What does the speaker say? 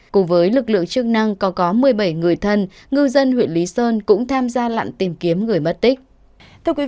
cùng với lực lượng chức năng còn có một mươi bảy người thân ngư dân huyện lý sơn cũng tham gia lặn tìm kiếm người mất tích